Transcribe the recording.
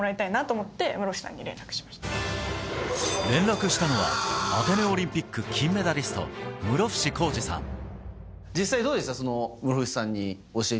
連絡したのはアテネオリンピック金メダリスト、室伏広治さん。